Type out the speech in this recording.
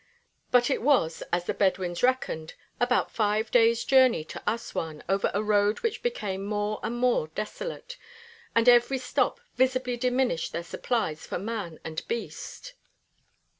But it was, as the Bedouins reckoned, about five days' journey to Assuan over a road which became more and more desolate, and every stop visibly diminished their supplies for man and beast.